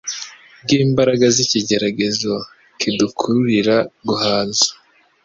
bw’imbaraga z’ikigeragezo kidukururira guhaza